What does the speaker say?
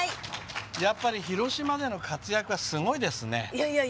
やっぱり広島での活躍はすごいですね。